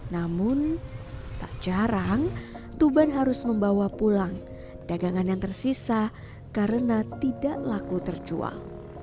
namun tak jarang tuban harus membawa pulang dagangan yang tersisa karena tidak laku terjual